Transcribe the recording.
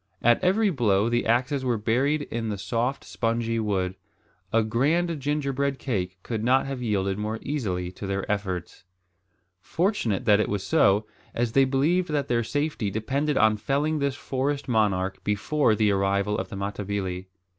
At every blow the axes were buried in the soft spongy wood. A grand gingerbread cake could not have yielded more readily to their efforts. Fortunate that it was so, as they believed that their safety depended on felling this forest monarch before the arrival of the Matabili.